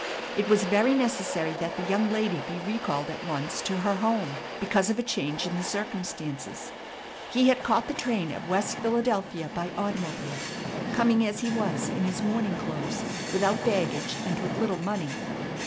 It was very necessary that the young lady be recalled at once to her home because of a change in the circumstances. He had caught the train at West Philadelphia by automobile, coming as he was in his morning clothes, without baggage and with little money.